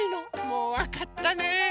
もうわかったね。